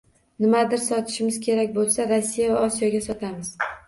Nimadir sotishimiz kerak bo‘lsa, Rossiya va Osiyoga sotamiz